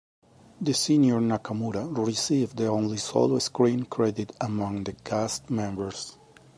The senior Nakamura received the only solo screen credit among the cast members.